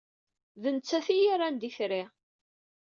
D nettat ay iyi-yerran d itri.